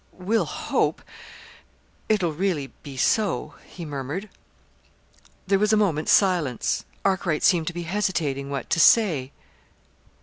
"We'll hope it'll really be so," he murmured. There was a moment's silence. Arkwright seemed to be hesitating what to say.